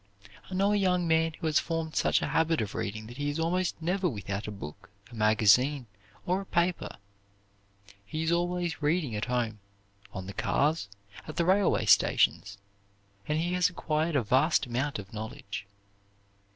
I know a young man who has formed such a habit of reading that he is almost never without a book, a magazine, or a paper. He is always reading at home, on the cars, at the railway stations, and he has acquired a vast amount of knowledge.